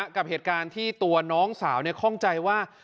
กับเหตุการณ์ที่ตัวน้องสาวข้องใจว่า